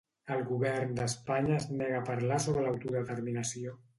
El govern d'Espanya es nega a parlar sobre l'autodeterminació